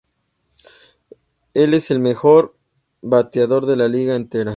Él es el mejor bateador de la liga entera.